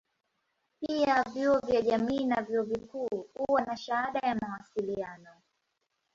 Pia vyuo vya jamii na vyuo vikuu huwa na shahada ya mawasiliano.